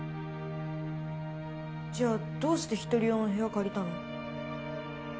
じゃあどうして一人用の部屋借りたの？